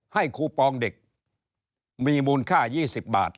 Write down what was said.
คูปองเด็กมีมูลค่า๒๐บาท